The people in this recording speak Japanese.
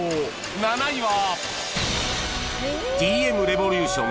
７位は